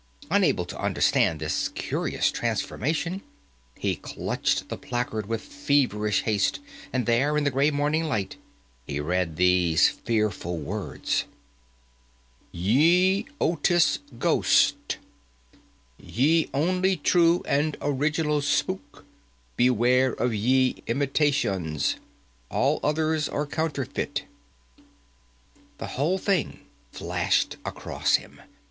Unable to understand this curious transformation, he clutched the placard with feverish haste, and there, in the grey morning light, he read these fearful words: ++| YE OTIS GHOSTE || Ye Onlie True and Originale Spook, || Beware of Ye Imitationes. || All others are counterfeite. |++ The whole thing flashed across him.